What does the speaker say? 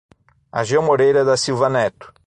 Ageu Moreira da Silva Neto